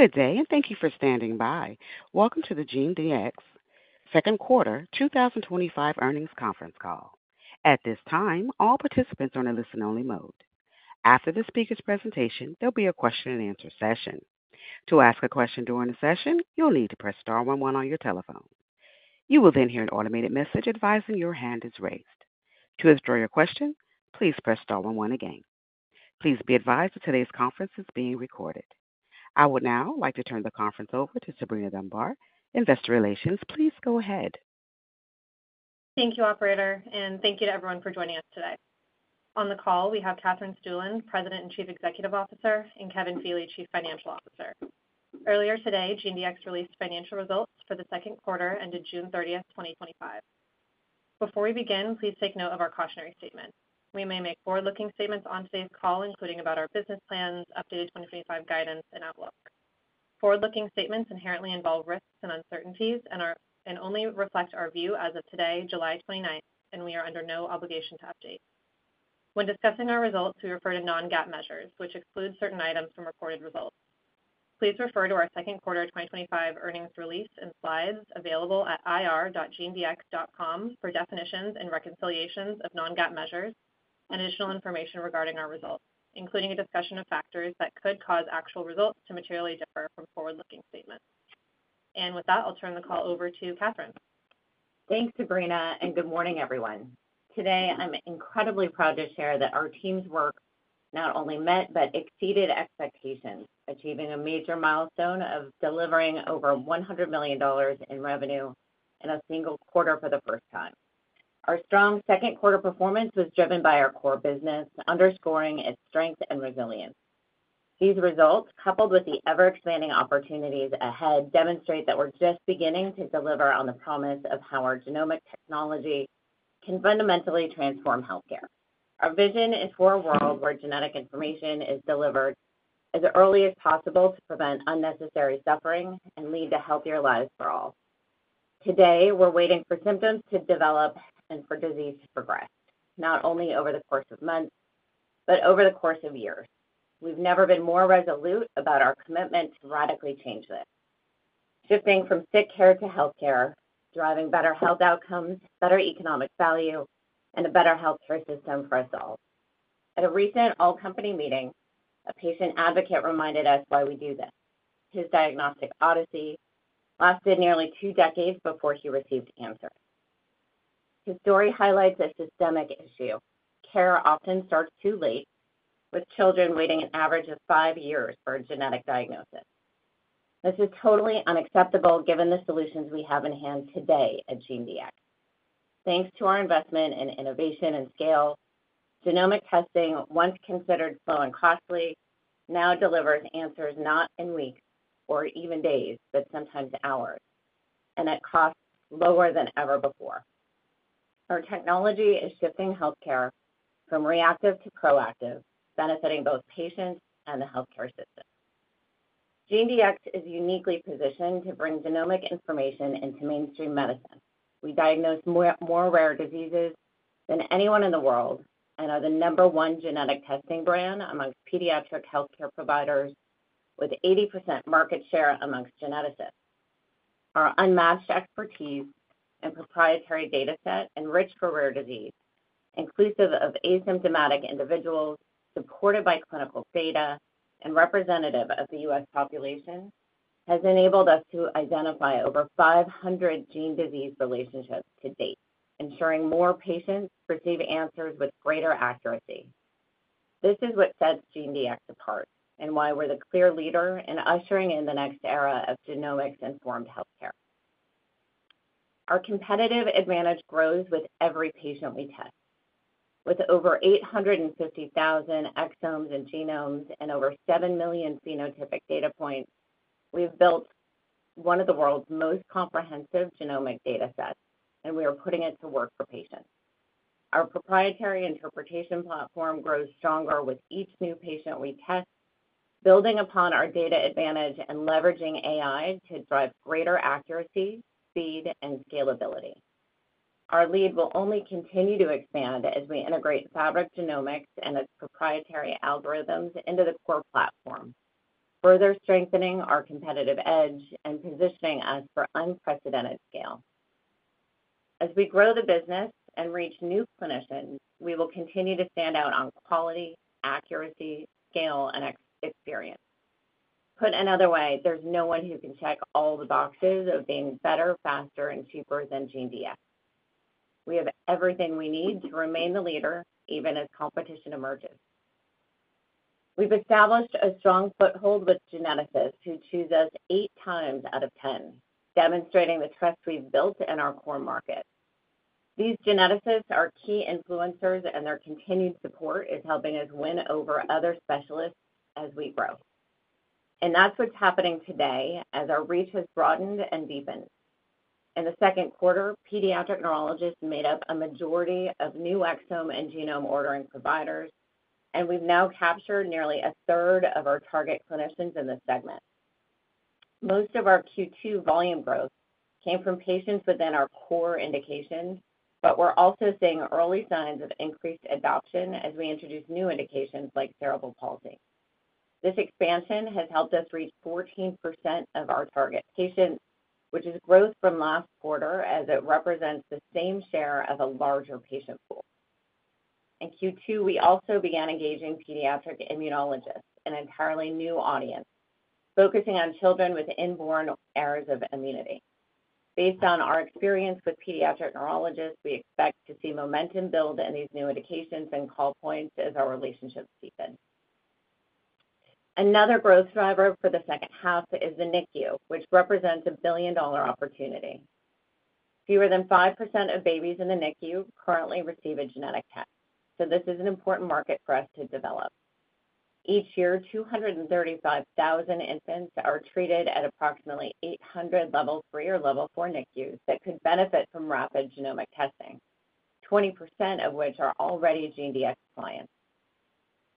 Good day, and thank you for standing by. Welcome to the GeneDx Kevin Feeley second quarter 2025 earnings conference call. At this time, all participants are in a listen-only mode. After the speaker's presentation, there will be a question and answer session. To ask a question during the session, you'll need to press *11 on your telephone. You will then hear an automated message advising your hand is raised. To withdraw your question, please press star one one again. Please be advised that today's conference is being recorded. I would now like to turn the conference over to Sabrina Dunbar, Investor Relations. Please go ahead. Thank you, operator, and thank you to everyone for joining us today. On the call, we have Katherine Stueland, President and Chief Executive Officer, and Kevin Feeley, Chief Financial Officer. Earlier today, GeneDx released financial results for the second quarter ended June 30, 2025. Before we begin, please take note of our cautionary statement. We may make forward-looking statements on today's call, including about our business plans, updated 2025 guidance, and outlook. Forward-looking statements inherently involve risks and uncertainties and only reflect our view as of today, July 29, and we are under no obligation to update. When discussing our results, we refer to non-GAAP measures, which exclude certain items from reported results. Please refer to our second quarter 2025 earnings release and slides available at ir.genedx.com for definitions and reconciliations of non-GAAP measures and additional information regarding our results, including a discussion of factors that could cause actual results to materially differ from forward-looking statements. With that, I'll turn the call over to Katherine. Thanks, Sabrina, and good morning, everyone. Today, I'm incredibly proud to share that our team's work not only met but exceeded expectations, achieving a major milestone of delivering over $100 million in revenue in a single quarter for the first time. Our strong second quarter performance was driven by our core business, underscoring its strength and resilience. These results, coupled with the ever-expanding opportunities ahead, demonstrate that we're just beginning to deliver on the promise of how our genomic technology can fundamentally transform healthcare. Our vision is for a world where genetic information is delivered as early as possible to prevent unnecessary suffering and lead to healthier lives for all. Today, we're waiting for symptoms to develop and for disease to progress, not only over the course of months, but over the course of years. We've never been more resolute about our commitment to radically change this, shifting from sick care to healthcare, driving better health outcomes, better economic value, and a better healthcare system for us all. At a recent all-company meeting, a patient advocate reminded us why we do this. His diagnostic odyssey lasted nearly two decades before he received answers. His story highlights a systemic issue: care often starts too late, with children waiting an average of five years for a genetic diagnosis. This is totally unacceptable given the solutions we have in hand today at GeneDx. Thanks to our investment in innovation and scale, genomic testing, once considered slow and costly, now delivers answers not in weeks or even days, but sometimes hours, and at costs lower than ever before. Our technology is shifting healthcare from reactive to proactive, benefiting both patients and the healthcare system. GeneDx is uniquely positioned to bring genomic information into mainstream medicine. We diagnose more rare diseases than anyone in the world and are the number one genetic testing brand amongst pediatric healthcare providers, with 80% market share amongst geneticists. Our unmatched expertise and proprietary dataset, enriched for rare disease, inclusive of asymptomatic individuals, supported by clinical data, and representative of the U.S. population, has enabled us to identify over 500 gene-disease relationships to date, ensuring more patients receive answers with greater accuracy. This is what sets GeneDx apart and why we're the clear leader in ushering in the next era of genomics-informed healthcare. Our competitive advantage grows with every patient we test. With over 850,000 Exomes and Genomes and over 7 million phenotypic data points, we've built one of the world's most comprehensive genomic datasets, and we are putting it to work for patients. Our proprietary interpretation platform grows stronger with each new patient we test, building upon our data advantage and leveraging AI to drive greater accuracy, speed, and scalability. Our lead will only continue to expand as we integrate Fabric Genomics and its proprietary algorithms into the core platform, further strengthening our competitive edge and positioning us for unprecedented scale. As we grow the business and reach new clinicians, we will continue to stand out on quality, accuracy, scale, and experience. Put another way, there's no one who can check all the boxes of being better, faster, and cheaper than GeneDx. We have everything we need to remain the leader, even as competition emerges. We've established a strong foothold with geneticists who choose us eight times out of ten, demonstrating the trust we've built in our core market. These geneticists are key influencers, and their continued support is helping us win over other specialists as we grow. That's what's happening today as our reach has broadened and deepened. In the second quarter, pediatric neurologists made up a majority of new Exome and Genome ordering providers, and we've now captured nearly a third of our target clinicians in this segment. Most of our Q2 volume growth came from patients within our core indication, but we're also seeing early signs of increased adoption as we introduce new indications like cerebral palsy. This expansion has helped us reach 14% of our target patients, which is growth from last quarter as it represents the same share as a larger patient pool. In Q2, we also began engaging pediatric immunologists, an entirely new audience, focusing on children with inborn errors of immunity. Based on our experience with pediatric neurologists, we expect to see momentum build in these new indications and call points as our relationships deepen. Another growth driver for the second half is the NICU, which represents a billion-dollar opportunity. Fewer than 5% of babies in the NICU currently receive a genetic test, so this is an important market for us to develop. Each year, 235,000 infants are treated at approximately 800 level 3 or level 4 NICUs that could benefit from rapid genomic testing, 20% of which are already GeneDx clients.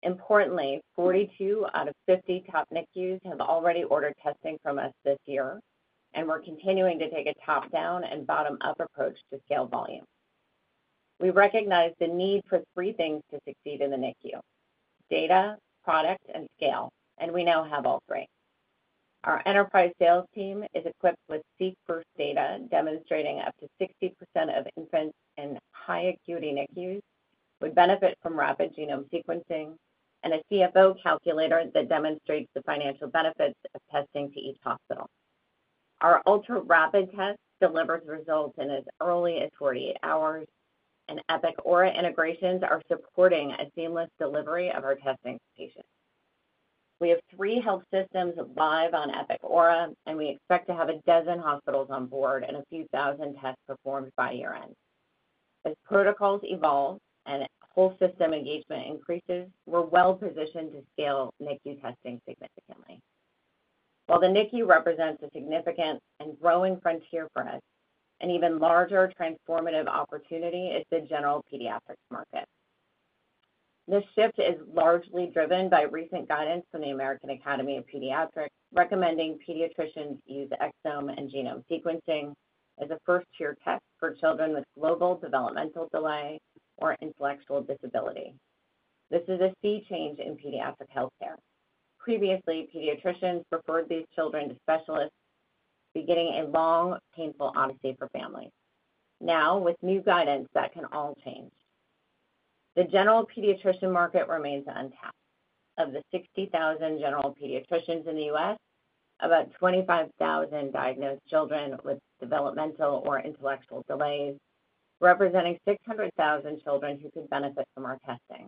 Importantly, 42 out of 50 top NICUs have already ordered testing from us this year, and we're continuing to take a top-down and bottom-up approach to scale volume. We recognize the need for three things to succeed in the NICU: data, product, and scale, and we now have all three. Our enterprise sales team is equipped with seek-first data, demonstrating up to 60% of infants in high-acuity NICUs would benefit from rapid Genome sequencing and a CFO calculator that demonstrates the financial benefits of testing to each hospital. Our ultra-rapid test delivers results in as early as 48 hours, and Epic Aura EMR integrations are supporting a seamless delivery of our testing to patients. We have three health systems live on Epic Aura EMR, and we expect to have a dozen hospitals on board and a few thousand tests performed by year-end. As protocols evolve and whole system engagement increases, we're well positioned to scale NICU testing significantly. While the NICU represents a significant and growing frontier for us, an even larger transformative opportunity is the general pediatrics market. This shift is largely driven by recent guidance from the American Academy of Pediatrics, recommending pediatricians use Exome and Genome sequencing as a first-tier test for children with global developmental delay or intellectual disability. This is a sea change in pediatric healthcare. Previously, pediatricians preferred these children to specialists, beginning a long, painful odyssey for families. Now, with new guidance, that can all change. The general pediatrician market remains untapped. Of the 60,000 general pediatricians in the U.S., about 25,000 diagnose children with developmental or intellectual delays, representing 600,000 children who could benefit from our testing.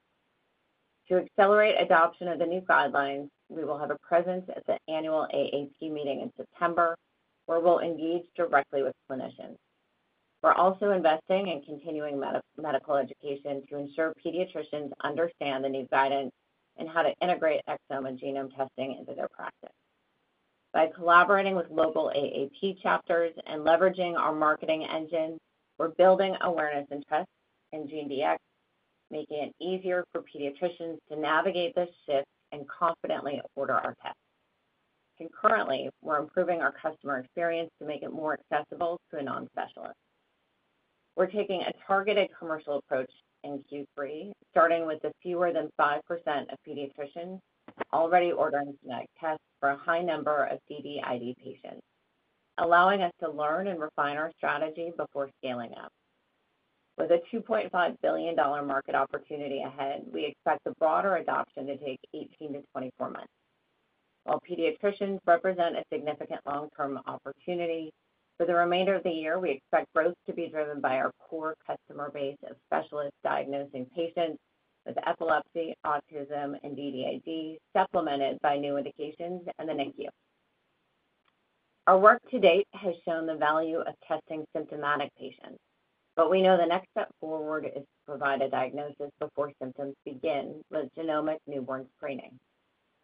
To accelerate adoption of the new guidelines, we will have a presence at the annual AAP meeting in September, where we'll engage directly with clinicians. We're also investing in continuing medical education to ensure pediatricians understand the new guidance and how to integrate Exome and Genome testing into their practice. By collaborating with local AAP chapters and leveraging our marketing engine, we're building awareness and trust in GeneDx, making it easier for pediatricians to navigate this shift and confidently order our tests. Concurrently, we're improving our customer experience to make it more accessible to a non-specialist. We're taking a targeted commercial approach in Q3, starting with the fewer than 5% of pediatricians already ordering genetic tests for a high number of DDID patients, allowing us to learn and refine our strategy before scaling up. With a $2.5 billion market opportunity ahead, we expect the broader adoption to take 18 to 24 months. While pediatricians represent a significant long-term opportunity, for the remainder of the year, we expect growth to be driven by our core customer base of specialists diagnosing patients with epilepsy, autism, and DDID, supplemented by new indications and the NICU. Our work to date has shown the value of testing symptomatic patients, but we know the next step forward is to provide a diagnosis before symptoms begin with genomic newborn screening.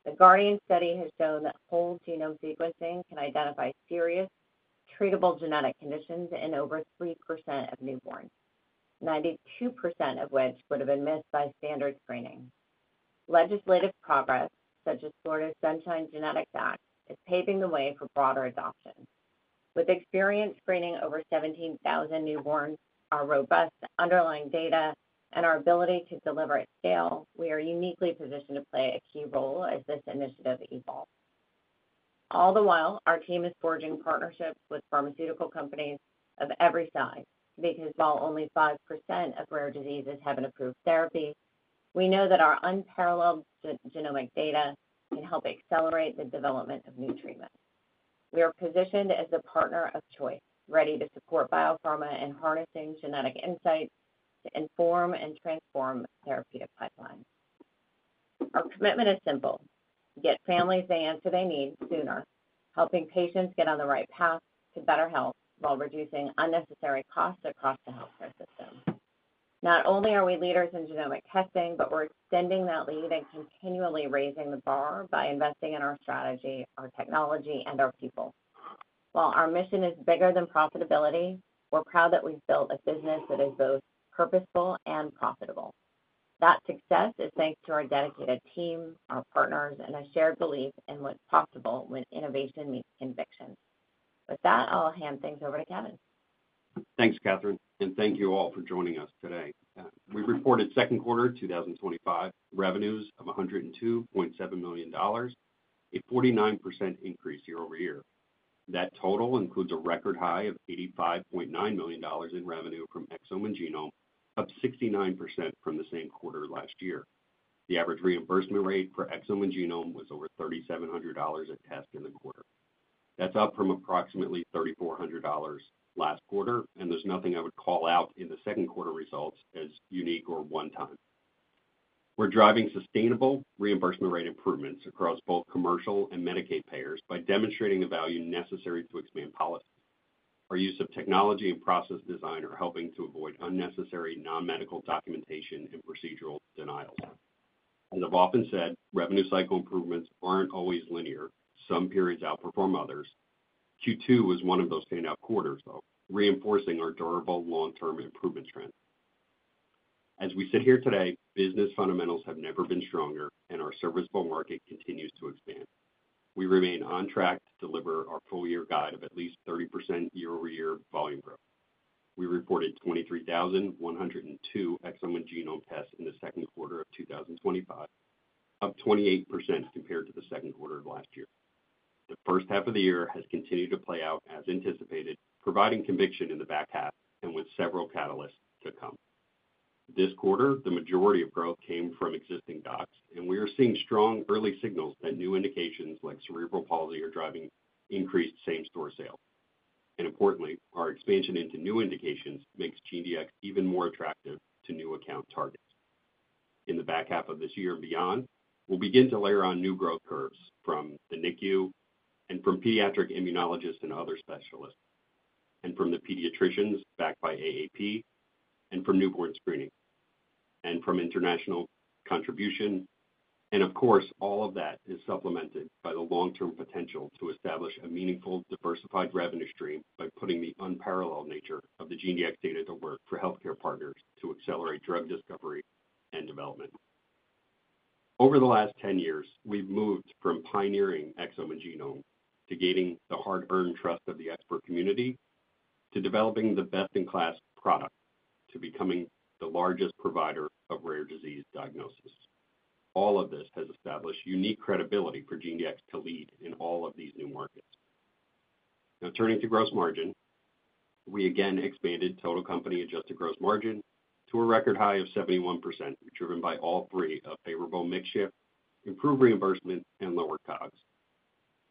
The Guardian study has shown that whole Genome sequencing can identify serious, treatable genetic conditions in over 3% of newborns, 92% of which would have been missed by standard screening. Legislative progress, such as Florida Sunshine Genetics Act, is paving the way for broader adoption. With experience screening over 17,000 newborns, our robust underlying data, and our ability to deliver at scale, we are uniquely positioned to play a key role as this initiative evolves. All the while, our team is forging partnerships with pharmaceutical companies of every size because while only 5% of rare diseases have an approved therapy, we know that our unparalleled genomic data can help accelerate the development of new treatments. We are positioned as a partner of choice, ready to support biopharma in harnessing genetic insights to inform and transform therapeutic pipelines. Our commitment is simple: get families the answer they need sooner, helping patients get on the right path to better health while reducing unnecessary costs across the healthcare system. Not only are we leaders in genomic testing, but we're extending that lead and continually raising the bar by investing in our strategy, our technology, and our people. While our mission is bigger than profitability, we're proud that we've built a business that is both purposeful and profitable. That success is thanks to our dedicated team, our partners, and a shared belief in what's possible when innovation meets conviction. With that, I'll hand things over to Kevin. Thanks, Katherine, and thank you all for joining us today. We reported second quarter 2025 revenues of $102.7 million, a 49% increase year over year. That total includes a record high of $85.9 million in revenue from Exome and Genome, up 69% from the same quarter last year. The average reimbursement rate for Exome and Genome was over $3,700 a test in the quarter. That's up from approximately $3,400 last quarter, and there's nothing I would call out in the second quarter results as unique or one-time. We're driving sustainable reimbursement rate improvements across both commercial and Medicaid payers by demonstrating the value necessary to expand policies. Our use of technology and process design are helping to avoid unnecessary non-medical documentation and procedural denials. As I've often said, revenue cycle improvements aren't always linear. Some periods outperform others. Q2 was one of those pain-out quarters, though, reinforcing our durable long-term improvement trend. As we sit here today, business fundamentals have never been stronger, and our serviceable market continues to expand. We remain on track to deliver our full-year guide of at least 30% year-over-year volume growth. We reported 23,102 Exome and Genome tests in the second quarter of 2025, up 28% compared to the second quarter of last year. The first half of the year has continued to play out as anticipated, providing conviction in the back half and with several catalysts to come. This quarter, the majority of growth came from existing docs, and we are seeing strong early signals that new indications like cerebral palsy are driving increased same-store sales. Importantly, our expansion into new indications makes GeneDx even more attractive to new account targets. In the back half of this year and beyond, we'll begin to layer on new growth curves from the NICU and from pediatric immunologists and other specialists, from the pediatricians backed by AAP, from newborn screening, and from international contribution. Of course, all of that is supplemented by the long-term potential to establish a meaningful, diversified revenue stream by putting the unparalleled nature of the GeneDx data to work for healthcare partners to accelerate drug discovery and development. Over the last 10 years, we've moved from pioneering Exome and Genome to gaining the hard-earned trust of the expert community, to developing the best-in-class product, to becoming the largest provider of rare disease diagnosis. All of this has established unique credibility for GeneDx to lead in all of these new markets. Now, turning to gross margin, we again expanded total company-adjusted gross margin to a record high of 71%, driven by all three: a favorable mix shift, improved reimbursement, and lower COGS.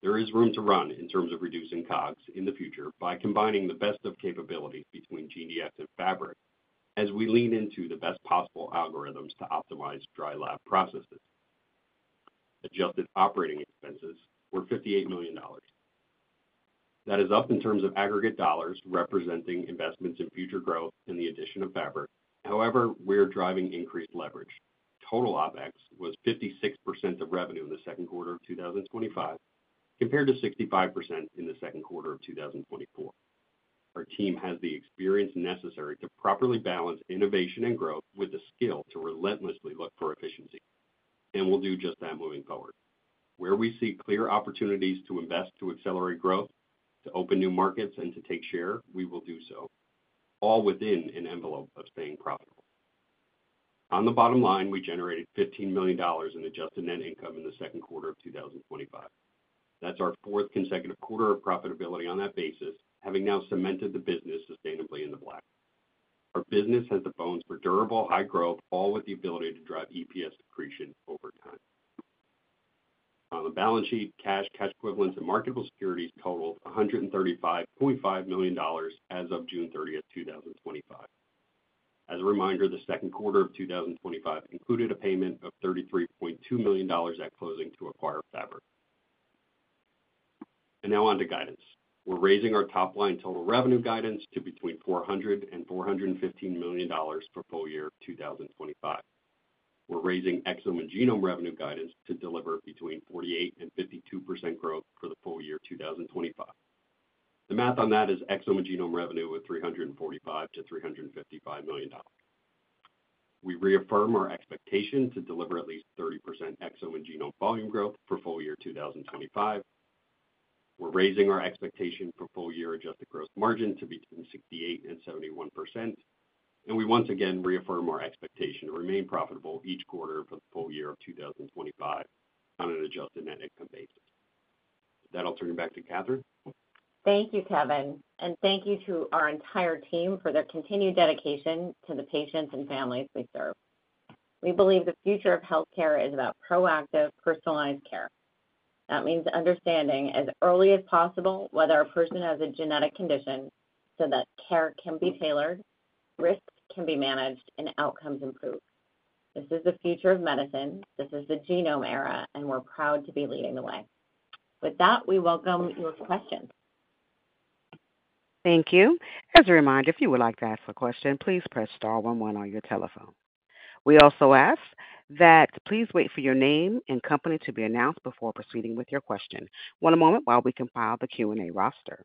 There is room to run in terms of reducing COGS in the future by combining the best of capabilities between GeneDx and Fabric Genomics as we lean into the best possible algorithms to optimize dry lab processes. Adjusted operating expenses were $58 million. That is up in terms of aggregate dollars, representing investments in future growth and the addition of Fabric Genomics. However, we're driving increased leverage. Total OpEx was 56% of revenue in the second quarter of 2025 compared to 65% in the second quarter of 2024. Our team has the experience necessary to properly balance innovation and growth with the skill to relentlessly look for efficiency, and we'll do just that moving forward. Where we see clear opportunities to invest to accelerate growth, to open new markets, and to take share, we will do so, all within an envelope of staying profitable. On the bottom line, we generated $15 million in adjusted net income in the second quarter of 2025. That's our fourth consecutive quarter of profitability on that basis, having now cemented the business sustainably in the black. Our business has the bones for durable high growth, all with the ability to drive EPS depletion over time. On the balance sheet, cash, cash equivalents, and marketable securities totaled $135.5 million as of June 30, 2025. As a reminder, the second quarter of 2025 included a payment of $33.2 million at closing to acquire Fabric Genomics. Now on to guidance. We're raising our top-line total revenue guidance to between $400 and $415 million for full year 2025. We're raising Exome and Genome revenue guidance to deliver between 48% and 52% growth for the full year 2025. The math on that is Exome and Genome revenue of $345 to $355 million. We reaffirm our expectation to deliver at least 30% Exome and Genome volume growth for full year 2025. We're raising our expectation for full year adjusted gross margin to between 68% and 71%, and we once again reaffirm our expectation to remain profitable each quarter for the full year of 2025 on an adjusted net income basis. That'll turn it back to Katherine. Thank you, Kevin, and thank you to our entire team for their continued dedication to the patients and families we serve. We believe the future of healthcare is about proactive, personalized care. That means understanding as early as possible whether a person has a genetic condition so that care can be tailored, risks can be managed, and outcomes improved. This is the future of medicine. This is the Genome era, and we're proud to be leading the way. With that, we welcome your question. Thank you. As a reminder, if you would like to ask a question, please press *11 on your telephone. We also ask that you please wait for your name and company to be announced before proceeding with your question. One moment while we compile the Q&A roster.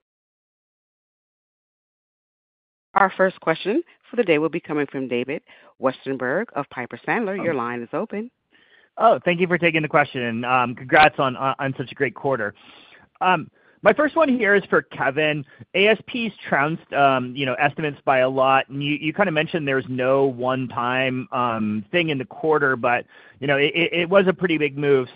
Our first question for the day will be coming from David Westenberg of Piper Sandler. Your line is open. Oh, thank you for taking the question. Congrats on such a great quarter. My first one here is for Kevin. ASP's trounced, you know, estimates by a lot. You kind of mentioned there's no one-time thing in the quarter, but it was a pretty big move.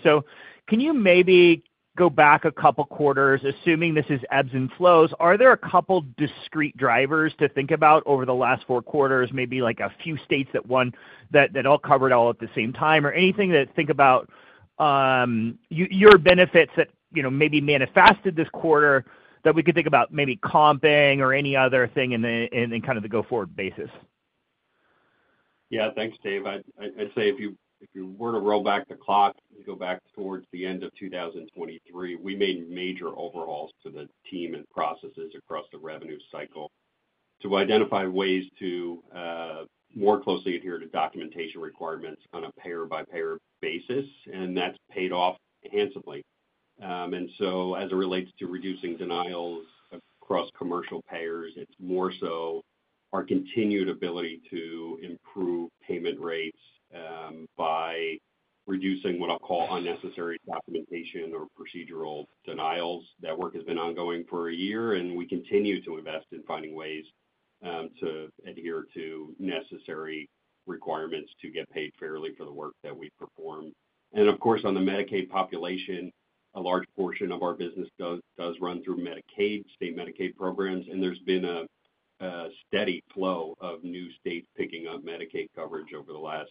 Can you maybe go back a couple of quarters, assuming this is ebbs and flows? Are there a couple of discrete drivers to think about over the last four quarters, maybe like a few states that won that all covered all at the same time or anything to think about, your benefits that maybe manifested this quarter that we could think about comping or any other thing in the go-forward basis? Thanks, Dave. I'd say if you were to roll back the clock and go back towards the end of 2023, we made major overhauls to the team and processes across the revenue cycle to identify ways to more closely adhere to documentation requirements on a payer-by-payer basis. That's paid off handsomely. As it relates to reducing denials across commercial payers, it's more so our continued ability to improve payment rates by reducing what I'll call unnecessary documentation or procedural denials. That work has been ongoing for a year, and we continue to invest in finding ways to adhere to necessary requirements to get paid fairly for the work that we perform. Of course, on the Medicaid population, a large portion of our business does run through Medicaid, state Medicaid programs. There's been a steady flow of new states picking up Medicaid coverage over the last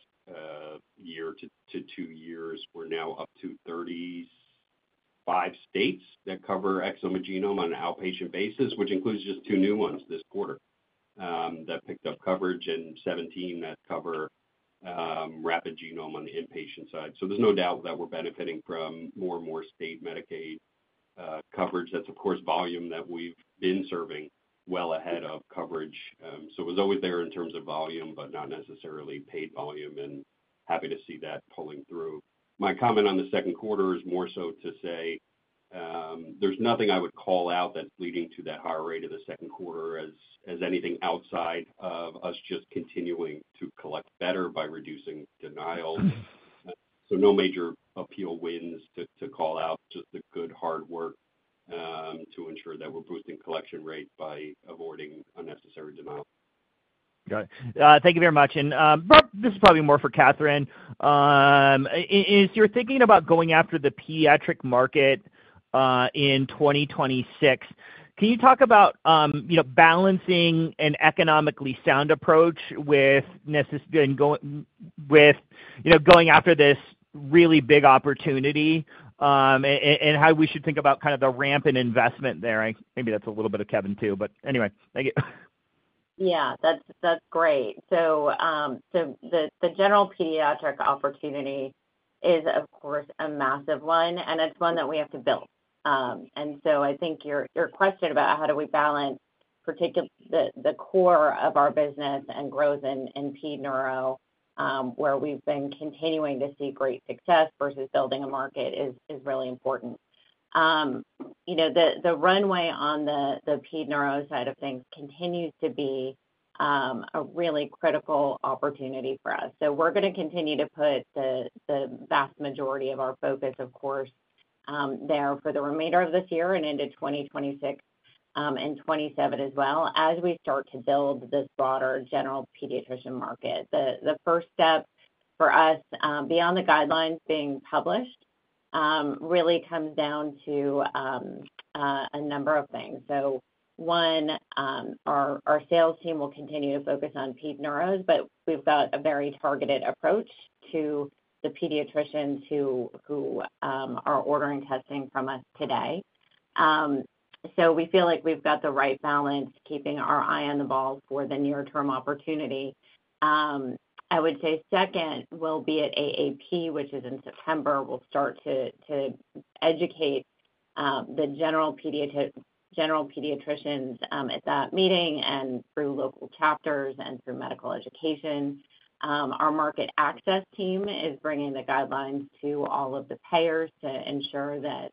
year to two years. We're now up to 35 states that cover Exome and Genome on an outpatient basis, which includes just two new ones this quarter that picked up coverage, and 17 that cover rapid Genome on the inpatient side. There's no doubt that we're benefiting from more and more state Medicaid coverage. That's volume that we've been serving well ahead of coverage, so it was always there in terms of volume, but not necessarily paid volume, and happy to see that pulling through. My comment on the second quarter is more so to say there's nothing I would call out that's leading to that higher rate in the second quarter as anything outside of us just continuing to collect better by reducing denials. No major appeal wins to call out, just the good hard work to ensure that we're boosting collection rate by avoiding unnecessary denials. Got it. Thank you very much. This is probably more for Katherine. As you're thinking about going after the pediatric market in 2026, can you talk about balancing an economically sound approach with going after this really big opportunity, and how we should think about the ramp in investment there? Maybe that's a little bit of Kevin, too. Anyway, thank you. That's great. The general pediatric opportunity is, of course, a massive one, and it's one that we have to build. I think your question about how do we balance particularly the core of our business and growth in ped neuro, where we've been continuing to see great success versus building a market, is really important. The runway on the ped neuro side of things continues to be a really critical opportunity for us. We're going to continue to put the vast majority of our focus, of course, there for the remainder of this year and into 2026 and 2027 as we start to build this broader general pediatrician market. The first step for us, beyond the guidelines being published, really comes down to a number of things. One, our sales team will continue to focus on ped neuros, but we've got a very targeted approach to the pediatricians who are ordering testing from us today. We feel like we've got the right balance, keeping our eye on the ball for the near-term opportunity. I would say second, we'll be at AAP, which is in September. We'll start to educate the general pediatricians at that meeting and through local chapters and through medical education. Our market access team is bringing the guidelines to all of the payers to ensure that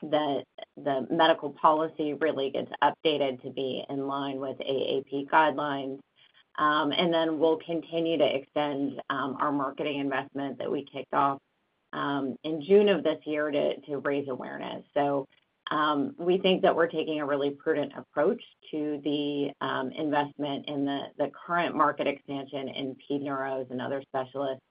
the medical policy really gets updated to be in line with AAP guidelines. We will continue to extend our marketing investment that we kicked off in June of this year to raise awareness. We think that we're taking a really prudent approach to the investment in the current market expansion in ped neuros and other specialists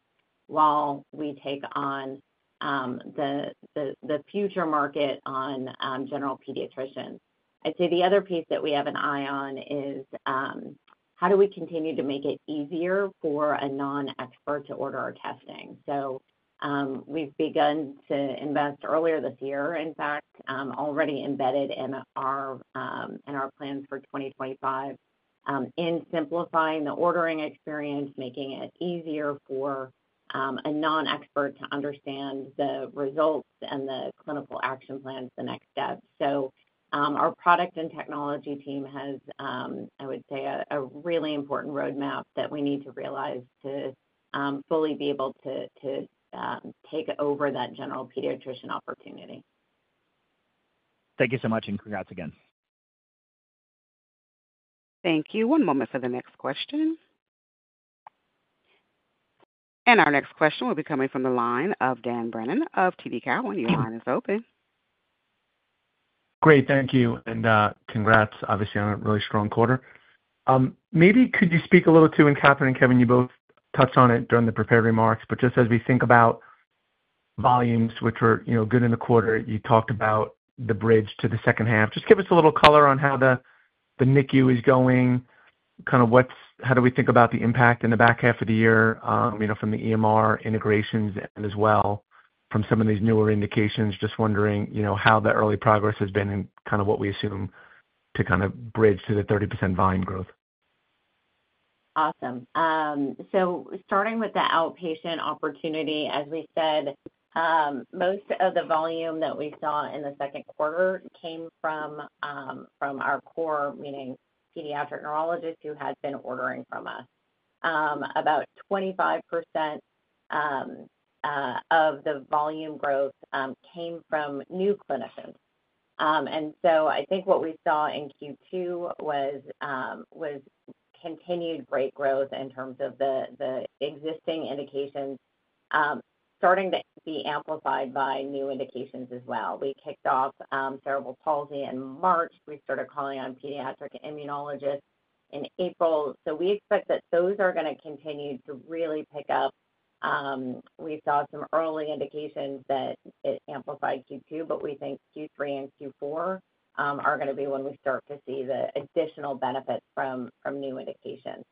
while we take on the future market on general pediatricians. I'd say the other piece that we have an eye on is how do we continue to make it easier for a non-expert to order our testing. We've begun to invest earlier this year, in fact, already embedded in our plans for 2025, in simplifying the ordering experience, making it easier for a non-expert to understand the results and the clinical action plans, the next steps. Our product and technology team has, I would say, a really important roadmap that we need to realize to fully be able to take over that general pediatrician opportunity. Thank you so much, and congrats again. Thank you. One moment for the next question. Our next question will be coming from the line of Dan Brennan of TD Cowen, and your line is open. Great. Thank you. Congrats, obviously, on a really strong quarter. Maybe could you speak a little to, and Katherine and Kevin, you both touched on it during the prepared remarks, just as we think about volumes, which were, you know, good in the quarter, you talked about the bridge to the second half. Just give us a little color on how the NICU is going, kind of how do we think about the impact in the back half of the year from the EMR integrations and as well from some of these newer indications. Just wondering how the early progress has been and kind of what we assume to kind of bridge to the 30% volume growth. Awesome. Starting with the outpatient opportunity, as we said, most of the volume that we saw in the second quarter came from our core, meaning pediatric neurologists who had been ordering from us. About 25% of the volume growth came from new clinicians. I think what we saw in Q2 was continued great growth in terms of the existing indications, starting to be amplified by new indications as well. We kicked off cerebral palsy in March. We started calling on pediatric immunologists in April. We expect that those are going to continue to really pick up. We saw some early indications that it amplified Q2, but we think Q3 and Q4 are going to be when we start to see the additional benefits from new indications.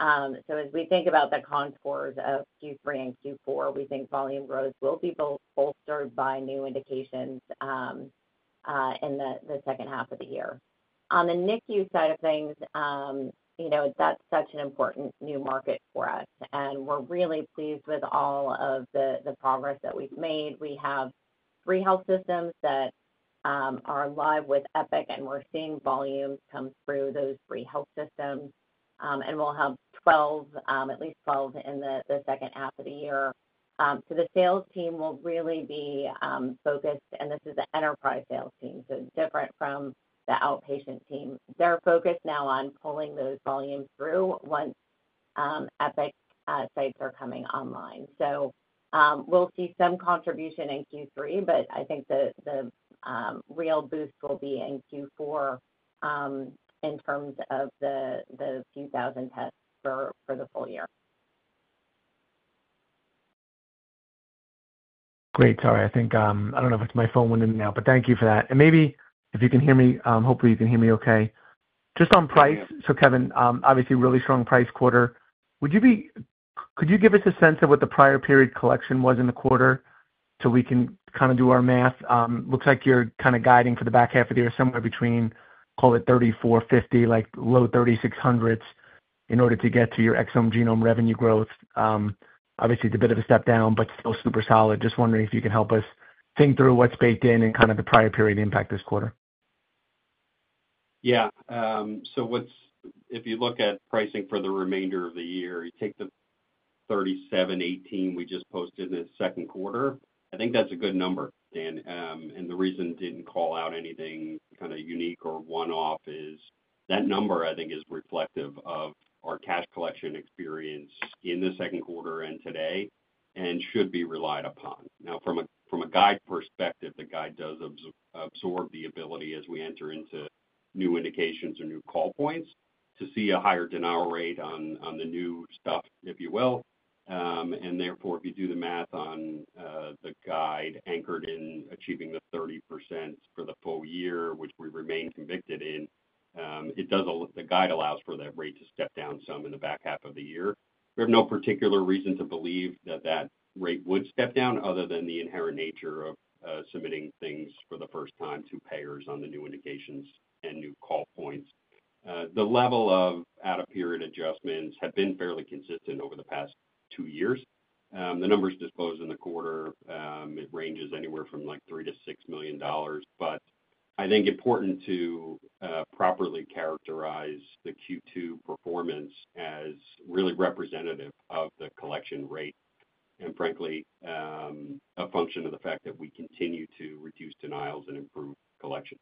As we think about the con scores of Q3 and Q4, we think volume growth will be bolstered by new indications in the second half of the year. On the NICU side of things, that's such an important new market for us. We're really pleased with all of the progress that we've made. We have three health systems that are live with Epic, and we're seeing volumes come through those three health systems. We'll have at least 12 in the second half of the year. The sales team will really be focused, and this is an enterprise sales team, so different from the outpatient team. They're focused now on pulling those volumes through once Epic sites are coming online. We'll see some contribution in Q3, but I think the real boost will be in Q4, in terms of the few thousand tests for the full year. Great. Sorry. I think, I don't know if it's my phone window now, but thank you for that. Maybe if you can hear me, hopefully, you can hear me okay. Just on price. Kevin, obviously, really strong price quarter. Would you be, could you give us a sense of what the prior period collection was in the quarter so we can kind of do our math? It looks like you're kind of guiding for the back half of the year somewhere between, call it $3,450, like low $3,600s in order to get to your Exome Genome revenue growth. Obviously, it's a bit of a step down, but still super solid. Just wondering if you can help us think through what's baked in and kind of the prior period impact this quarter. If you look at pricing for the remainder of the year, you take the $3,718 we just posted in the second quarter, I think that's a good number, Dan. The reason I didn't call out anything kind of unique or one-off is that number, I think, is reflective of our cash collection experience in the second quarter and today and should be relied upon. Now, from a guide perspective, the guide does absorb the ability as we enter into new indications or new call points to see a higher denial rate on the new stuff, if you will. Therefore, if you do the math on the guide anchored in achieving the 30% for the full year, which we remain convicted in, the guide allows for that rate to step down some in the back half of the year. We have no particular reason to believe that that rate would step down other than the inherent nature of submitting things for the first time to payers on the new indications and new call points. The level of out-of-period adjustments has been fairly consistent over the past two years. The numbers disclosed in the quarter, it ranges anywhere from like $3 million to $6 million. I think it's important to properly characterize the Q2 performance as really representative of the collection rate and, frankly, a function of the fact that we continue to reduce denials and improve collection.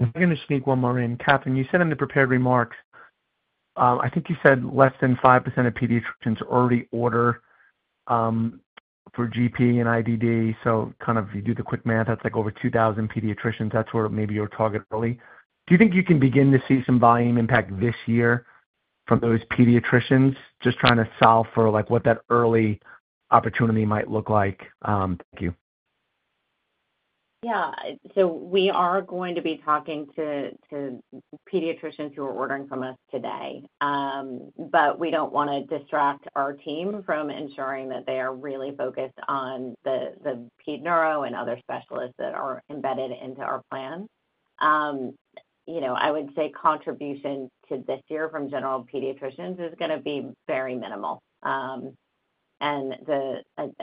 I'm going to sneak one more in. Katherine, you said in the prepared remarks, I think you said less than 5% of pediatricians already order, for GP and IDD. If you do the quick math, that's like over 2,000 pediatricians. That's where maybe your target early. Do you think you can begin to see some volume impact this year from those pediatricians? Just trying to solve for what that early opportunity might look like. Thank you. We are going to be talking to pediatricians who are ordering from us today, but we don't want to distract our team from ensuring that they are really focused on the ped neuro and other specialists that are embedded into our plan. I would say contribution to this year from general pediatricians is going to be very minimal. I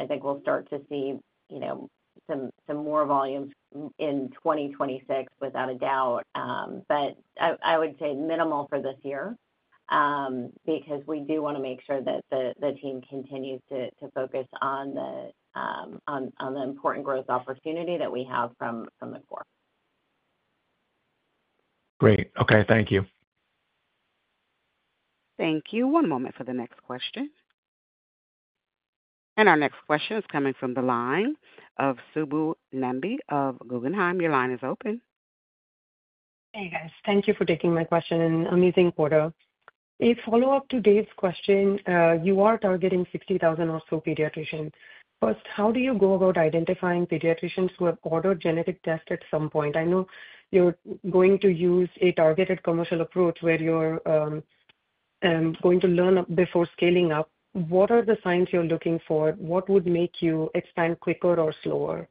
think we'll start to see some more volumes in 2026, without a doubt. I would say minimal for this year, because we do want to make sure that the team continues to focus on the important growth opportunity that we have from the core. Great. Okay. Thank you. Thank you. One moment for the next question. Our next question is coming from the line of Subbu Nambi of Guggenheim. Your line is open. Hey, guys. Thank you for taking my question and an amazing quarter. A follow-up to Dave's question, you are targeting 60,000 or so pediatricians. First, how do you go about identifying pediatricians who have ordered genetic tests at some point? I know you're going to use a targeted commercial approach where you're going to learn before scaling up. What are the signs you're looking for? What would make you expand quicker or slower?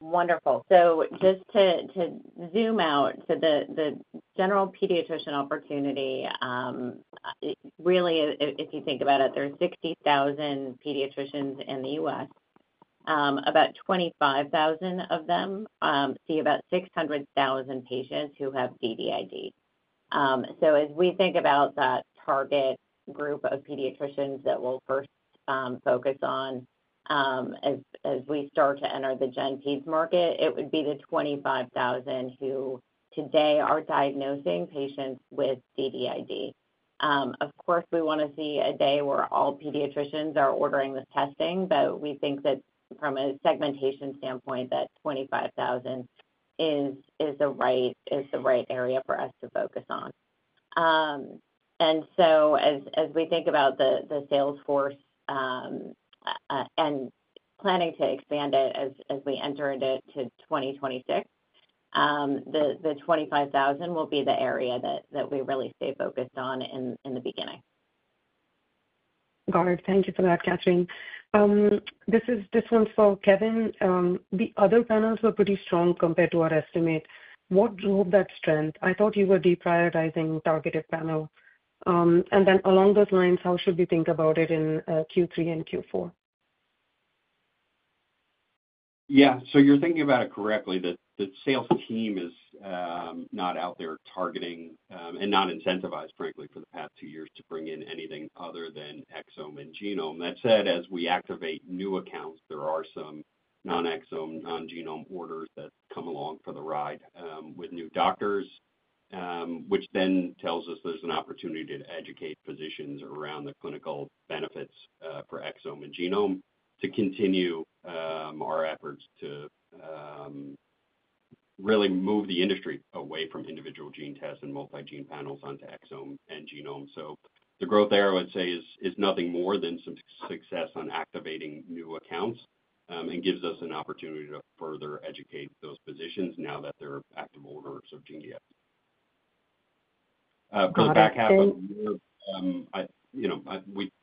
Wonderful. Just to zoom out, the general pediatrician opportunity, really, if you think about it, there's 60,000 pediatricians in the U.S. About 25,000 of them see about 600,000 patients who have DDID. As we think about that target group of pediatricians that we'll first focus on as we start to enter the GenPEDS market, it would be the 25,000 who today are diagnosing patients with DDID. Of course, we want to see a day where all pediatricians are ordering the testing, but we think that from a segmentation standpoint, that 25,000 is the right area for us to focus on. As we think about the sales force and planning to expand it as we enter into 2026, the 25,000 will be the area that we really stay focused on in the beginning. Got it. Thank you for that, Katherine. This is just one thought, Kevin. The other panels were pretty strong compared to our estimate. What drove that strength? I thought you were deprioritizing targeted panel. Along those lines, how should we think about it in Q3 and Q4? You're thinking about it correctly. The sales team is not out there targeting, and not incentivized, frankly, for the past two years to bring in anything other than Exome and Genome. That said, as we activate new accounts, there are some non-Exome, non-Genome orders that come along for the ride with new doctors, which then tells us there's an opportunity to educate physicians around the clinical benefits for Exome and Genome to continue our efforts to really move the industry away from individual gene tests and multi-gene panels onto Exome and Genome. The growth there, I would say, is nothing more than some success on activating new accounts, and gives us an opportunity to further educate those physicians now that they're active owners of GeneDx. For the back half of the year,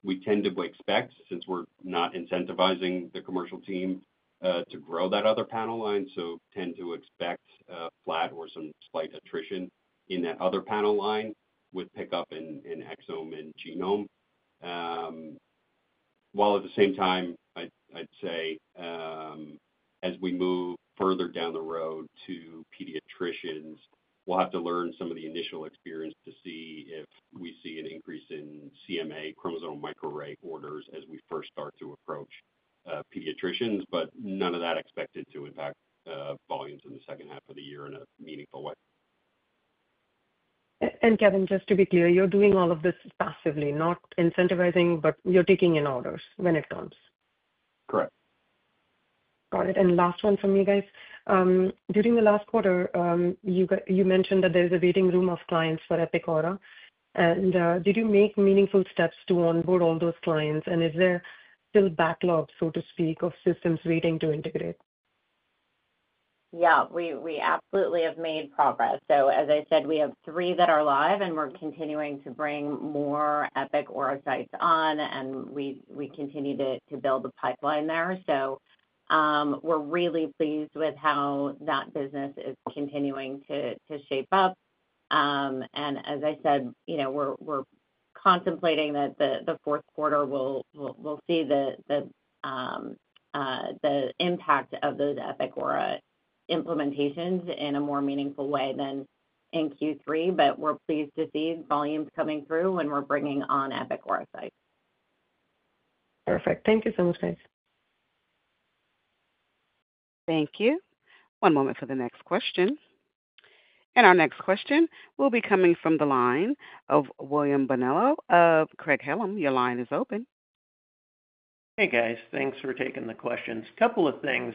we tend to expect, since we're not incentivizing the commercial team to grow that other panel line, flat or some slight attrition in that other panel line with pickup in Exome and Genome. At the same time, I'd say as we move further down the road to pediatricians, we'll have to learn some of the initial experience to see if we see an increase in CMA, chromosomal microarray orders, as we first start to approach pediatricians. None of that is expected to impact volumes in the second half of the year in a meaningful way. Kevin, just to be clear, you're doing all of this passively, not incentivizing, but you're taking in orders when it comes. Correct. Got it. Last one from you guys. During the last quarter, you mentioned that there's a waiting room of clients for Epic Aura EMR. Did you make meaningful steps to onboard all those clients? Is there still a backlog, so to speak, of systems waiting to integrate? We absolutely have made progress. As I said, we have three that are live, and we're continuing to bring more Epic Aura sites on, and we continue to build a pipeline there. We're really pleased with how that business is continuing to shape up. As I said, we're contemplating that the fourth quarter will see the impact of those Epic Aura implementations in a more meaningful way than in Q3. We're pleased to see volumes coming through when we're bringing on Epic Aura sites. Perfect. Thank you so much, guys. Thank you. One moment for the next question. Our next question will be coming from the line of William Bonello of Craig-Hallum. Your line is open. Hey, guys. Thanks for taking the questions. A couple of things.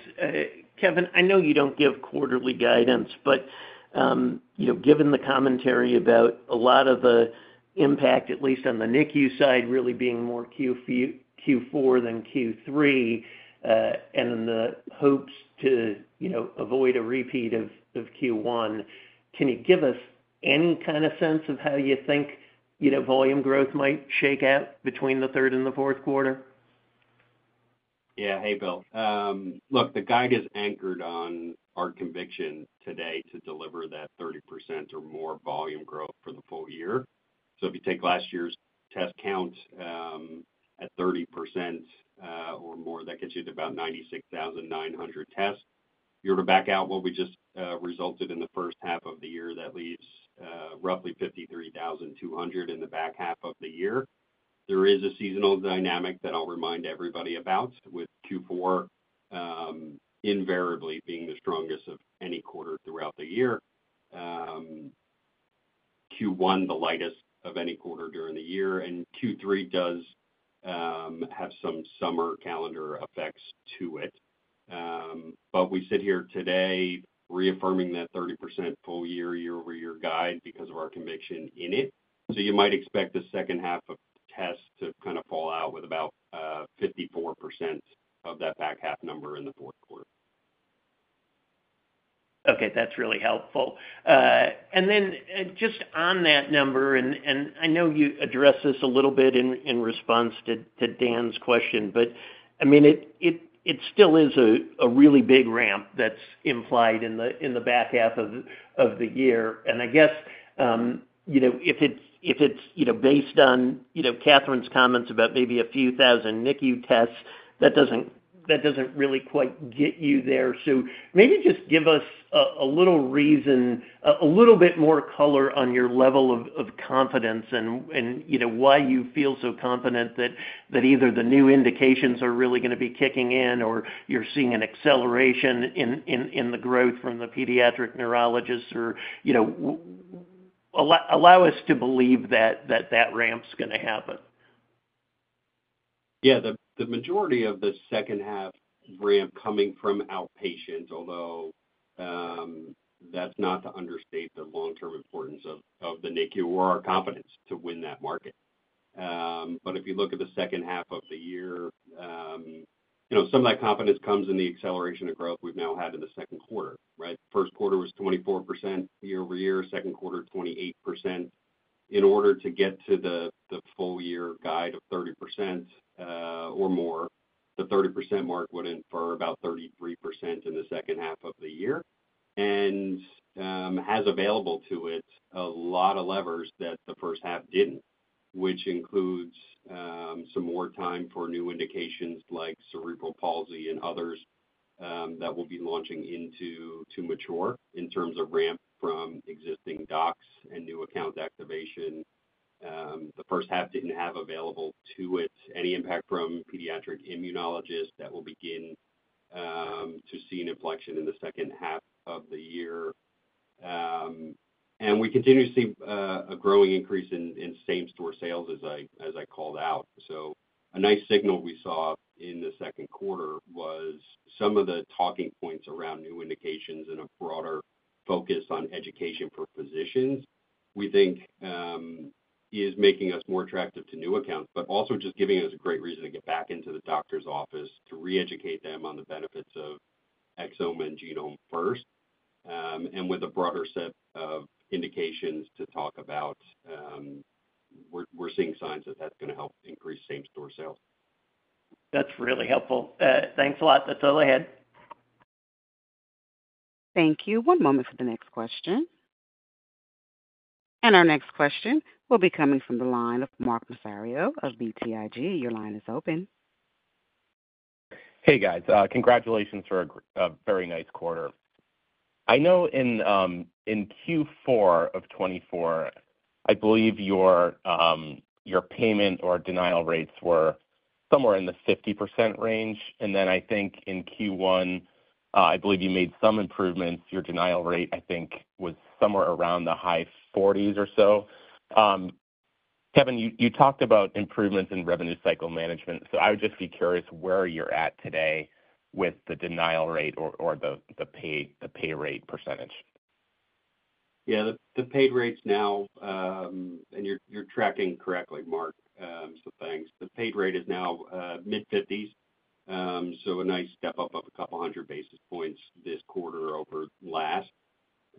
Kevin, I know you don't give quarterly guidance, but given the commentary about a lot of the impact, at least on the NICU side, really being more Q4 than Q3, and in the hopes to avoid a repeat of Q1, can you give us any kind of sense of how you think volume growth might shake out between the third and the fourth quarter? Hey, Bill. Look, the guide is anchored on our conviction today to deliver that 30% or more volume growth for the full year. If you take last year's test count, at 30% or more, that gets you to about 96,900 tests. If you were to back out what we just resulted in the first half of the year, that leaves roughly 53,200 in the back half of the year. There is a seasonal dynamic that I'll remind everybody about, with Q4 invariably being the strongest of any quarter throughout the year. Q1 is the lightest of any quarter during the year, and Q3 does have some summer calendar effects to it. We sit here today reaffirming that 30% full year, year-over-year guide because of our conviction in it. You might expect the second half of tests to kind of fall out with about 54% of that back half number in the fourth quarter. Okay. That's really helpful. And then just on that number, I know you addressed this a little bit in response to Dan's question, but it still is a really big ramp that's implied in the back half of the year. I guess, if it's based on Katherine's comments about maybe a few thousand NICU tests, that doesn't really quite get you there. Maybe just give us a little reason, a little bit more color on your level of confidence and why you feel so confident that either the new indications are really going to be kicking in or you're seeing an acceleration in the growth from the pediatric neurologists, or allow us to believe that that ramp's going to happen. The majority of the second half ramp coming from outpatient, although that's not to understate the long-term importance of the NICU or our competence to win that market. If you look at the second half of the year, some of that competence comes in the acceleration of growth we've now had in the second quarter, right? The first quarter was 24% year-over-year, second quarter 28%. In order to get to the full-year guide of 30% or more, the 30% mark would infer about 33% in the second half of the year. It has available to it a lot of levers that the first half didn't, which includes some more time for new indications like cerebral palsy and others that we'll be launching into to mature in terms of ramp from existing docs and new account activation. The first half didn't have available to it any impact from pediatric immunologists that will begin to see an inflection in the second half of the year. We continue to see a growing increase in same-store sales, as I called out. A nice signal we saw in the second quarter was some of the talking points around new indications and a broader focus on education for physicians, we think, is making us more attractive to new accounts, but also just giving us a great reason to get back into the doctor's office to re-educate them on the benefits of Exome and Genome first. With a broader set of indications to talk about, we're seeing signs that that's going to help increase same-store sales. That's really helpful. Thanks a lot. That's all I had. Thank you. One moment for the next question. Our next question will be coming from the line of Mark Massaro of BTIG. Your line is open. Hey, guys. Congratulations for a very nice quarter. I know in Q4 of 2024, I believe your payment or denial rates were somewhere in the 50% range. I think in Q1, you made some improvements. Your denial rate, I think, was somewhere around the high 40% or so. Kevin, you talked about improvements in revenue cycle management. I would just be curious where you're at today with the denial rate or the pay rate percentage. The paid rate's now, and you're tracking correctly, Mark, so thanks. The paid rate is now mid-50s, so a nice step up of a couple hundred basis points this quarter over last.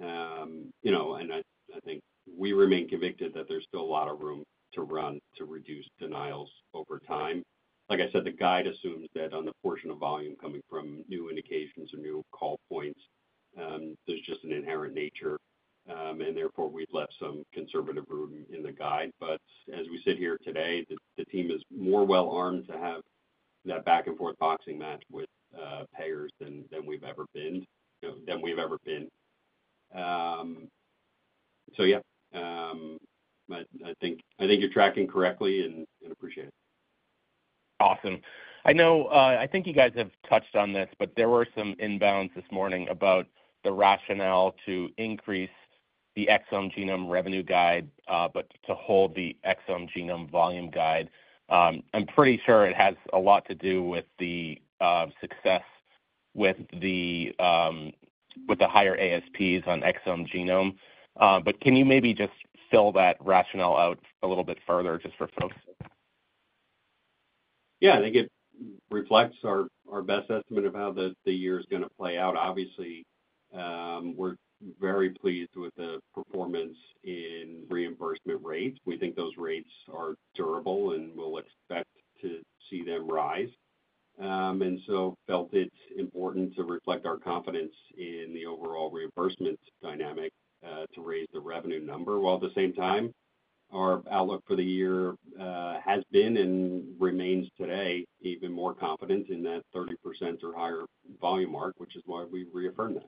I think we remain convicted that there's still a lot of room to run to reduce denials over time. Like I said, the guide assumes that on the portion of volume coming from new indications and new call points, there's just an inherent nature, and therefore, we've left some conservative room in the guide. As we sit here today, the team is more well armed to have that back-and-forth boxing match with payers than we've ever been. I think you're tracking correctly and appreciate it. Awesome. I know, I think you guys have touched on this, but there were some inbounds this morning about the rationale to increase the Exome and Genome revenue guide, but to hold the Exome and Genome volume guide. I'm pretty sure it has a lot to do with the success with the higher ASPs on Exome and Genome. Can you maybe just fill that rationale out a little bit further just for folks? I think it reflects our best estimate of how the year is going to play out. Obviously, we're very pleased with the performance in reimbursement rates. We think those rates are durable and we'll expect to see them rise, and so felt it's important to reflect our confidence in the overall reimbursement dynamic, to raise the revenue number. At the same time, our outlook for the year has been and remains today even more confident in that 30% or higher volume mark, which is why we reaffirmed that.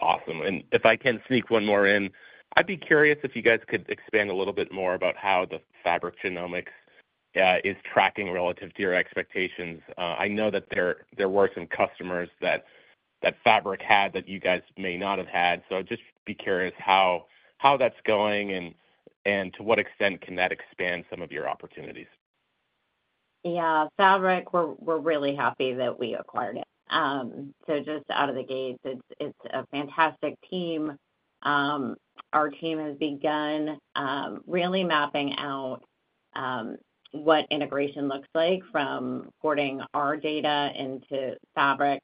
Awesome. If I can sneak one more in, I'd be curious if you guys could expand a little bit more about how the Fabric Genomics is tracking relative to your expectations. I know that there were some customers that Fabric had that you guys may not have had. I'd just be curious how that's going and to what extent can that expand some of your opportunities. Fabric, we're really happy that we acquired it. Just out of the gates, it's a fantastic team. Our team has begun really mapping out what integration looks like from porting our data into Fabric,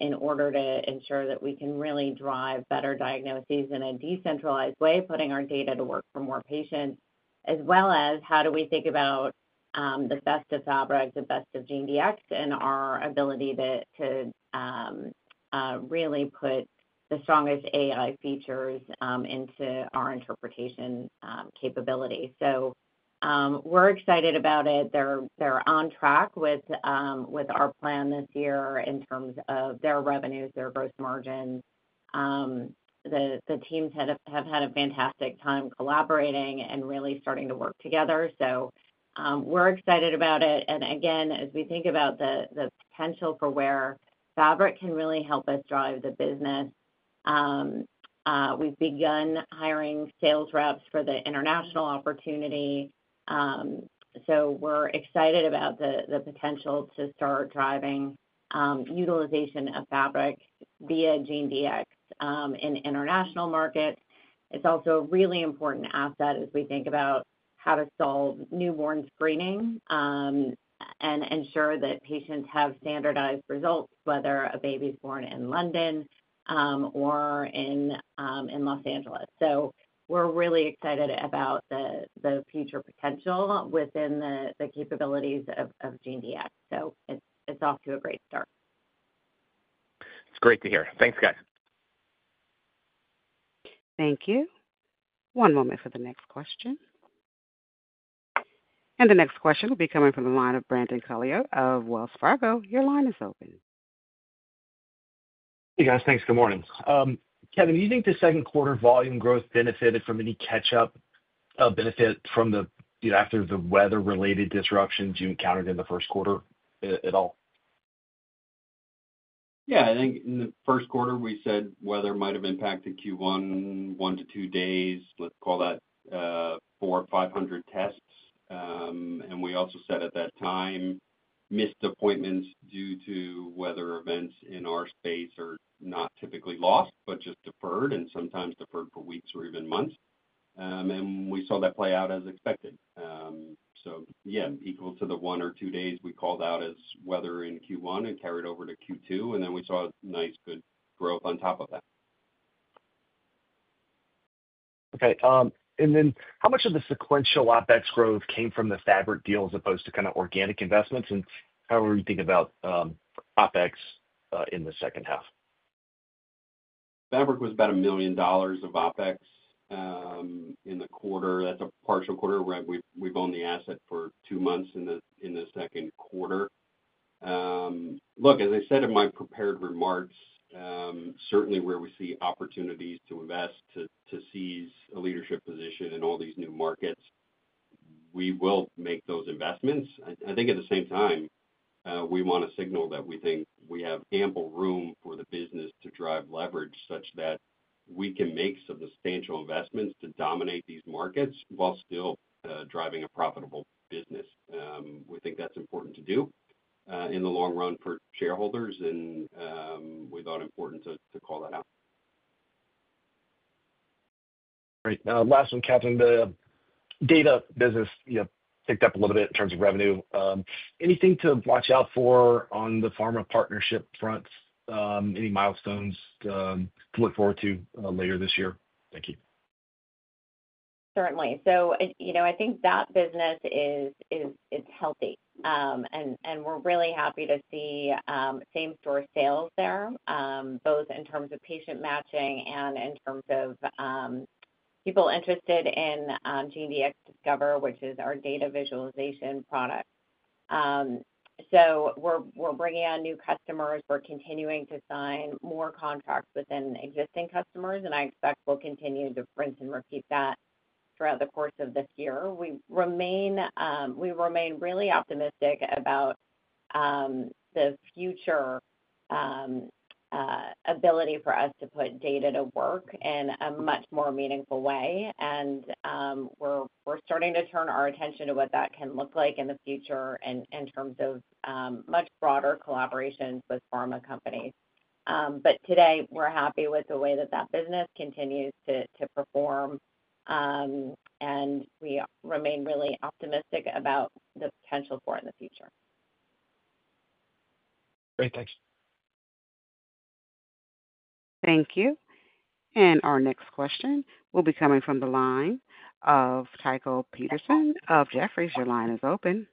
in order to ensure that we can really drive better diagnoses in a decentralized way, putting our data to work for more patients, as well as how do we think about the best of Fabric, the best of GeneDx, and our ability to really put the strongest AI features into our interpretation capability. We're excited about it. They're on track with our plan this year in terms of their revenues, their gross margins. The teams have had a fantastic time collaborating and really starting to work together. We're excited about it. As we think about the potential for where Fabric can really help us drive the business, we've begun hiring sales reps for the international opportunity. We're excited about the potential to start driving utilization of Fabric via GeneDx in international markets. It's also a really important asset as we think about how to solve newborn screening and ensure that patients have standardized results, whether a baby is born in London or in Los Angeles. We're really excited about the future potential within the capabilities of GeneDx. It's off to a great start. It's great to hear. Thanks, guys. Thank you. One moment for the next question. The next question will be coming from the line of Brandon Couillard Wells Fargo. Your line is open. Hey, guys. Thanks. Good morning. Kevin, do you think the second quarter volume growth benefited from any catch-up benefit from the, you know, after the weather-related disruptions you encountered in the first quarter at all? I think in the first quarter, we said weather might have impacted Q1, one to two days. Let's call that 4,500 tests. We also said at that time, missed appointments due to weather events in our space are not typically lost, but just deferred and sometimes deferred for weeks or even months. We saw that play out as expected. It was equal to the one or two days we called out as weather in Q1 and carried over to Q2. We saw a nice, good growth on top of that. Okay. How much of the sequential OpEx growth came from the Fabric Genomics deal as opposed to organic investments? How are you thinking about OpEx in the second half? Fabric was about $1 million of OpEx in the quarter. That's a partial quarter where we've owned the asset for two months in the second quarter. As I said in my prepared remarks, certainly where we see opportunities to invest to seize a leadership position in all these new markets, we will make those investments. I think at the same time, we want to signal that we think we have ample room for the business to drive leverage such that we can make substantial investments to dominate these markets while still driving a profitable business. We think that's important to do in the long run for shareholders, and we thought it important to call that out. Great. Last one, Katherine. The data business picked up a little bit in terms of revenue. Anything to watch out for on the pharma partnership fronts? Any milestones to look forward to later this year? Thank you. Certainly. I think that business is healthy, and we're really happy to see same-store sales there, both in terms of patient matching and in terms of people interested in GeneDx Discover, which is our data visualization product. We're bringing on new customers, continuing to sign more contracts within existing customers, and I expect we'll continue to rinse and repeat that throughout the course of this year. We remain really optimistic about the future, ability for us to put data to work in a much more meaningful way. We're starting to turn our attention to what that can look like in the future in terms of much broader collaborations with pharma companies. Today, we're happy with the way that business continues to perform, and we remain really optimistic about the potential for it in the future. Great. Thanks. Thank you. Our next question will be coming from the line of Tycho Peterson of Jefferies. Your line is open.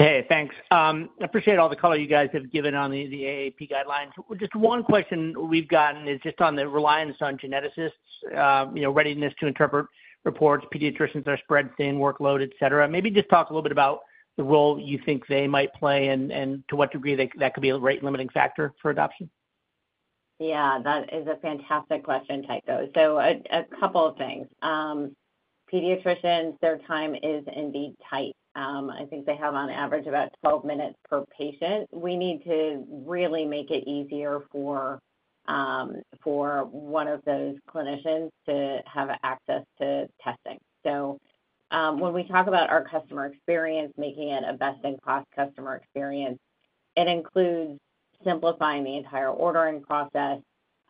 Hey, thanks. I appreciate all the color you guys have given on the AAP guidelines. Just one question we've gotten is just on the reliance on geneticists, you know, readiness to interpret reports, pediatricians are spread thin, workload, etc. Maybe just talk a little bit about the role you think they might play and to what degree that could be a rate-limiting factor for adoption. That is a fantastic question, Tycho. A couple of things. Pediatricians, their time is indeed tight. I think they have on average about 12 minutes per patient. We need to really make it easier for one of those clinicians to have access to testing. When we talk about our customer experience, making it a best-in-class customer experience, it includes simplifying the entire ordering process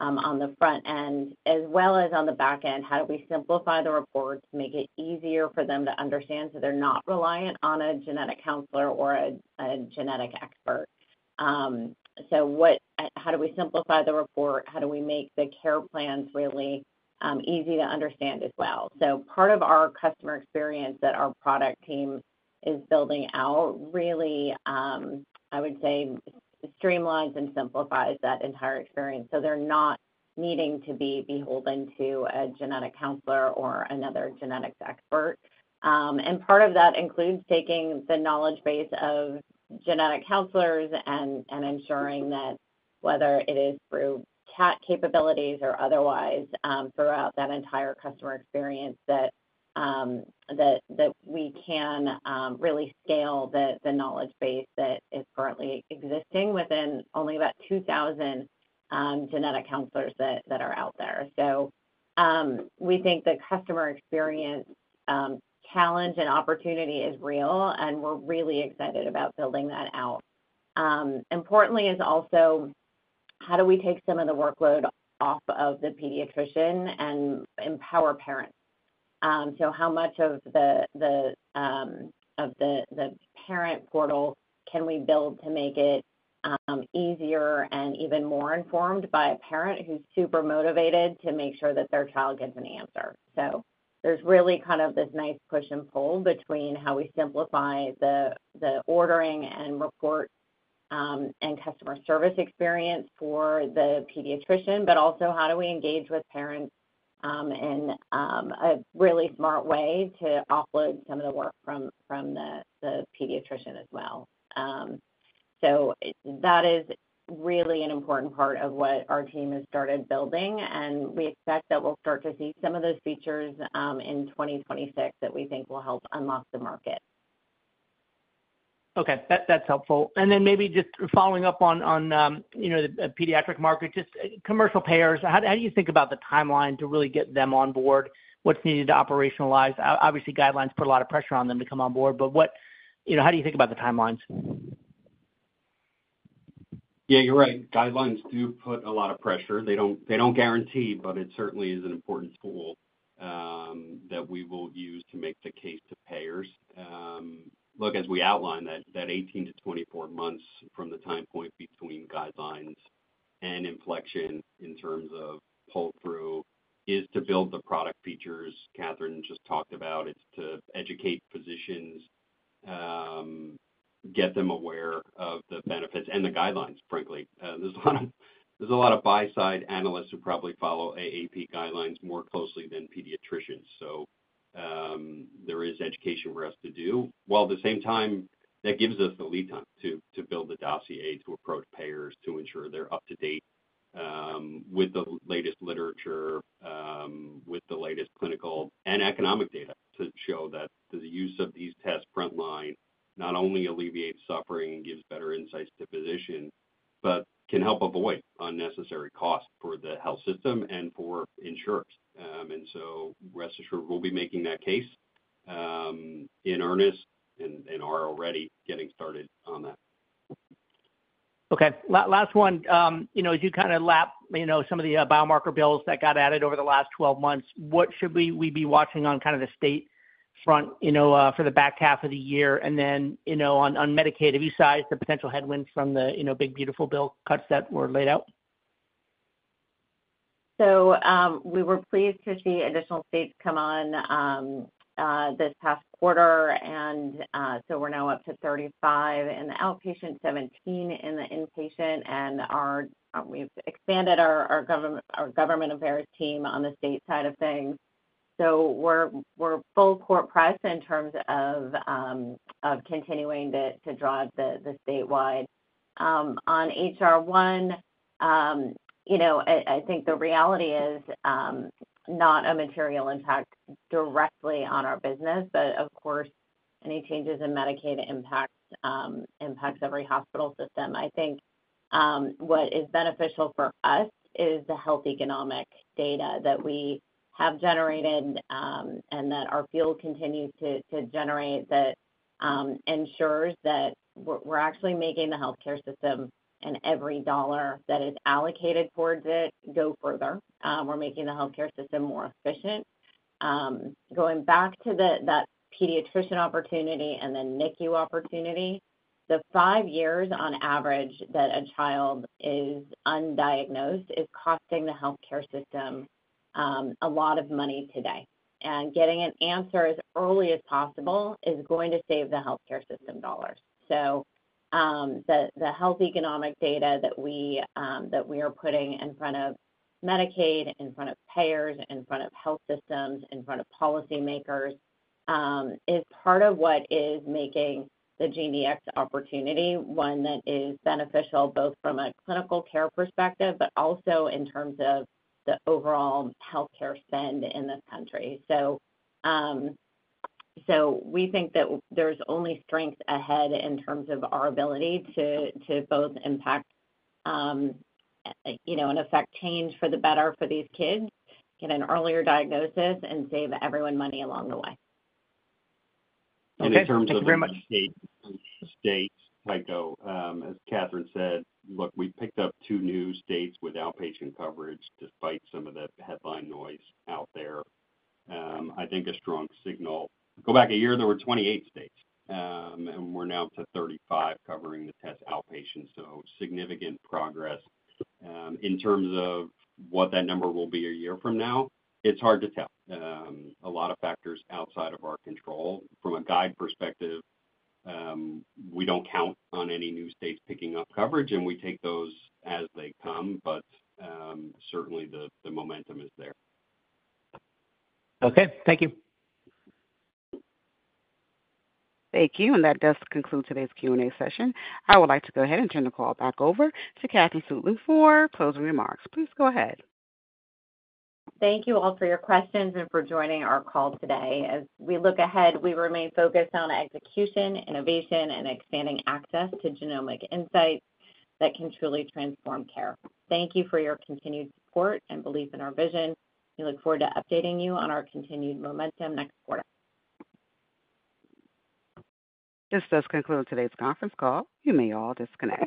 on the front end, as well as on the back end. How do we simplify the reports to make it easier for them to understand so they're not reliant on a genetic counselor or a genetic expert? How do we simplify the report? How do we make the care plans really easy to understand as well? Part of our customer experience that our product team is building out really, I would say, streamlines and simplifies that entire experience so they're not needing to be beholden to a genetic counselor or another genetics expert. Part of that includes taking the knowledge base of genetic counselors and ensuring that whether it is through CAT capabilities or otherwise, throughout that entire customer experience, we can really scale the knowledge base that is currently existing within only about 2,000 genetic counselors that are out there. We think the customer experience challenge and opportunity is real, and we're really excited about building that out. Importantly, it is also how do we take some of the workload off of the pediatrician and empower parents? How much of the parent portal can we build to make it easier and even more informed by a parent who's super motivated to make sure that their child gets an answer? There's really kind of this nice push and pull between how we simplify the ordering and reports and customer service experience for the pediatrician, but also how we engage with parents in a really smart way to offload some of the work from the pediatrician as well. That is really an important part of what our team has started building, and we expect that we'll start to see some of those features in 2026 that we think will help unlock the market. Okay. That's helpful. Maybe just following up on the pediatric market, just commercial payers, how do you think about the timeline to really get them on board? What's needed to operationalize? Obviously, guidelines put a lot of pressure on them to come on board, but what, you know, how do you think about the timelines? Yeou're right. Guidelines do put a lot of pressure. They don't guarantee, but it certainly is an important tool that we will use to make the case to payers. Look, as we outlined, that 18 to 24 months from the time point between guidelines and inflection in terms of pull-through is to build the product features Katherine just talked about. It's to educate physicians, get them aware of the benefits and the guidelines, frankly. There's a lot of buy-side analysts who probably follow AAP guidelines more closely than pediatricians. There is education for us to do. While at the same time, that gives us the lead time to build the dossier to approach payers to ensure they're up to date with the latest literature, with the latest clinical and economic data to show that the use of these tests frontline not only alleviates suffering and gives better insights to physicians, but can help avoid unnecessary costs for the health system and for insurers. Rest assured we'll be making that case in earnest and are already getting started on that. Okay. Last one. As you know, as you kind of lap some of the biomarker bills that got added over the last 12 months, what should we be watching on the state front for the back half of the year? On Medicaid, have you sized the potential headwinds from the big beautiful bill cuts that were laid out? We were pleased to see additional states come on this past quarter. We're now up to 35 in the outpatient, 17 in the inpatient, and we've expanded our government affairs team on the state side of things. We're full-court press in terms of continuing to drive the statewide. On HR1, I think the reality is, not a material impact directly on our business, but of course, any changes in Medicaid impact every hospital system. What is beneficial for us is the health economic data that we have generated, and that our field continues to generate, that ensures that we're actually making the healthcare system and every dollar that is allocated towards it go further. We're making the healthcare system more efficient. Going back to that pediatrician opportunity and the NICU opportunity, the five years on average that a child is undiagnosed is costing the healthcare system a lot of money today. Getting an answer as early as possible is going to save the healthcare system dollars. The health economic data that we are putting in front of Medicaid, in front of payers, in front of health systems, in front of policymakers, is part of what is making the GeneDx opportunity one that is beneficial both from a clinical care perspective, but also in terms of the overall healthcare spend in this country. We think that there's only strength ahead in terms of our ability to both impact and affect change for the better for these kids, get an earlier diagnosis, and save everyone money along the way. Okay. Thank you very much. States, Tycho. As Katherine said, look, we picked up two new states with outpatient coverage despite some of the headline noise out there. I think a strong signal. Go back a year, there were 28 states, and we're now up to 35 covering the test outpatient. Significant progress. In terms of what that number will be a year from now, it's hard to tell. A lot of factors outside of our control. From a guide perspective, we don't count on any new states picking up coverage, and we take those as they come. Certainly, the momentum is there. Okay. Thank you. Thank you. That does conclude today's Q&A session. I would like to go ahead and turn the call back over to Katherine Stueland for closing remarks. Please go ahead. Thank you all for your questions and for joining our call today. As we look ahead, we remain focused on execution, innovation, and expanding access to genomic insights that can truly transform care. Thank you for your continued support and belief in our vision. We look forward to updating you on our continued momentum next quarter. This does conclude today's conference call. You may all disconnect.